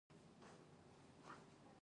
دا لنډ حقایق او کیسې مې در سره شریکې کړې.